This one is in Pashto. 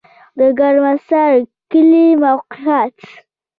د ګرمسر کلی موقعیت